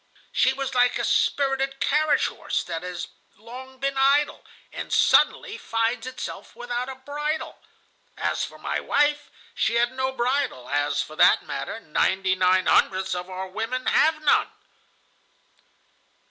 She was like a spirited carriage horse that has long been idle, and suddenly finds itself without a bridle. As for my wife, she had no bridle, as for that matter, ninety nine hundredths of our women have none."